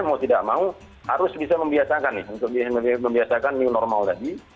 kalau tidak mau harus bisa membiasakan untuk membiasakan normal tadi